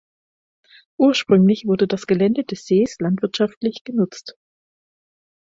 Ursprünglich wurde das Gelände des Sees landwirtschaftlich genutzt.